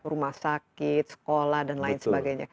rumah sakit sekolah dan lain sebagainya